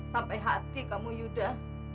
sampai hati kamu yuda